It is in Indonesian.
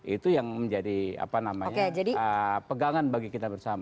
itu yang menjadi apa namanya pegangan bagi kita bersama